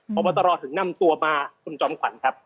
พบตรถึงนำตัวมาคุณจอมขวัญครับ